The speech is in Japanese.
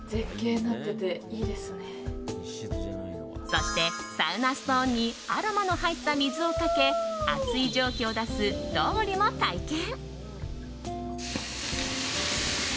そして、サウナストーンにアロマの入った水をかけ熱い蒸気を出すロウリュも体験。